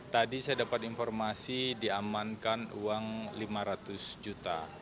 tadi saya dapat informasi diamankan uang lima ratus juta